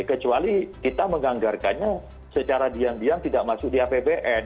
kecuali kita menganggarkannya secara diam diam tidak masuk di apbn